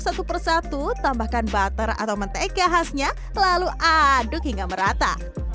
satu persatu tambahkan butter atau mentega khasnya lalu aduk hingga merata